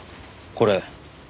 これ。